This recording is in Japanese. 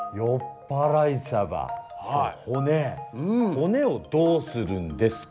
骨をどうするんですか？